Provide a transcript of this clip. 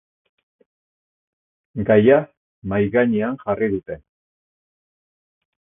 Gaia mahai gainean jarri dute.